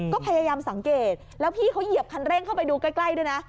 ก็พยายามสังเกตแล้วพี่เขาเหยียบคันเร่งเข้าไปดูใกล้ด้วยนะ